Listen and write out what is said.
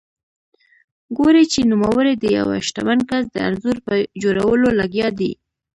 ګوري چې نوموړی د یوه شتمن کس د انځور په جوړولو لګیا دی.